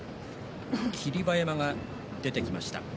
霧馬山が出てきました。